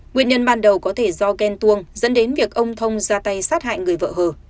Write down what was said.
nguyên nhân ban đầu có thể do ghen tuông dẫn đến việc ông thông ra tay sát hại người vợ hờ